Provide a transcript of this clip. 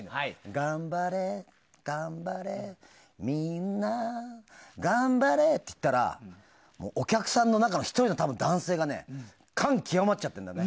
頑張れ、頑張れみんな頑張れって言ったらお客さんの中の１人の男性が感極まっちゃってるんだね。